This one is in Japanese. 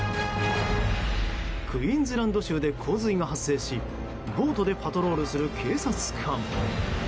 クイーンズランド州で洪水が発生しボートでパトロールする警察官。